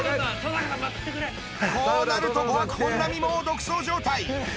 こうなると５枠本並もう独走状態。